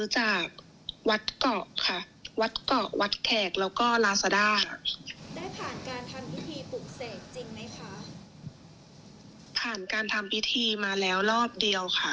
แต่เขายังมีโฆษะนาว่าพอยังปรุกเสกอีกรอบนะคะ